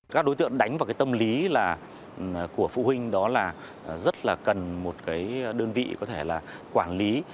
các đối tượng đánh vào cái tâm lý là của phụ huynh đó là rất là cần một đơn vị có thể là quản lý